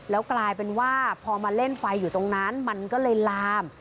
แล้วกลายเป็นว่าพอมาเล่นไฟอยู่ตรงนั้นมันก็เลยลาม